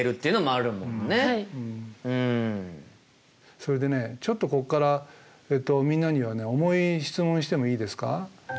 それでねちょっとこっからみんなにはね重い質問してもいいですか？